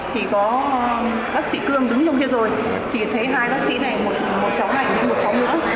thì có bác sĩ cương đứng trong kia rồi thì thấy hai bác sĩ này một cháu hạnh hay một cháu nữa